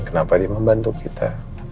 kenapa dia membantu kita